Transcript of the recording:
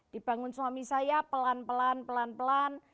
dibangun suami saya pelan pelan pelan pelan